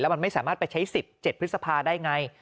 มันไม่สามารถไปใช้สิทธิ์๗พฤษภาได้ไง